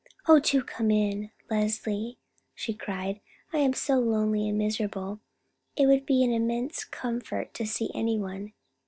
"Oh, do come in, Leslie," she cried. "I am so lonely and miserable, and it would be an immense comfort to see anyone.